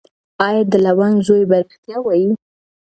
ایا د لونګ زوی به ریښتیا وایي؟